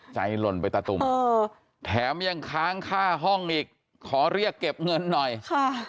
หล่นไปตะตุ่มแถมยังค้างค่าห้องอีกขอเรียกเก็บเงินหน่อยค่ะ